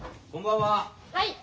はい。